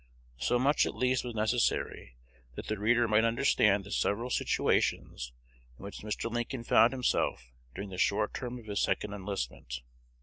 So much at least was necessary, that the reader might understand the several situations in which Mr. Lincoln found himself during the short term of his second enlistment.